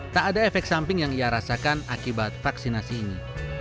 tak ada efek samping yang ia rasakan akibat vaksinasi ini